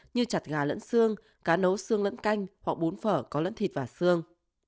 như chặt gà lẫn xương cá nấu xương lẫn canh họ bún phở có lẫn thịt và xương